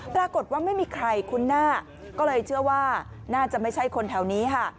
ปรากฏว่าไม่มีใครคุ้นหน้าก็เลยเชื่อว่าน่าจะไม่ใช่คนแถวนี้ค่ะ